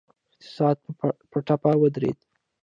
اقتصاد په ټپه ودرید.